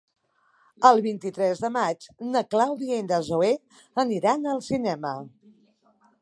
El vint-i-tres de maig na Clàudia i na Zoè aniran al cinema.